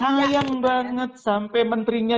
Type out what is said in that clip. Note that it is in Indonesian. sayang banget sampai menterinya